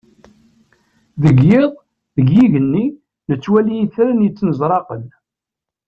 Deg yiḍ, deg yigenni, nettwali itran yettnezraqen.